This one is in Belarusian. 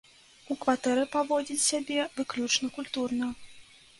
У кватэры паводзіць сябе выключна культурна.